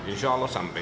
insya allah sampai